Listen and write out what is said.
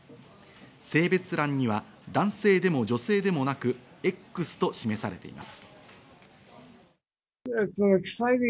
性別欄には、男性でも女性でもなくＸと示されています。